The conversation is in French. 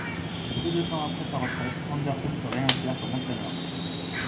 Peu de temps après sa retraite, Anderson se réinsère comme entraîneur.